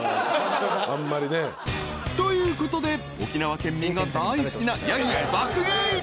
［ということで沖縄県民が大好きなヤギ爆買い］